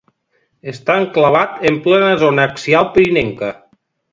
Està enclavat en plena zona axial pirinenca.